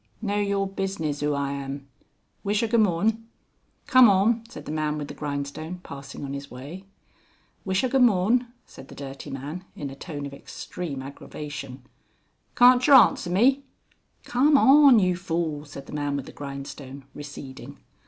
"No your business whoaaam. Wishergoomorn." "Carm on:" said the man with the grindstone, passing on his way. "Wishergoomorn," said the dirty man, in a tone of extreme aggravation. "Carncher Answerme?" "Carm on you fool!" said the man with the grindstone receding.